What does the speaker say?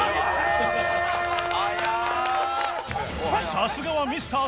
さすがはミスター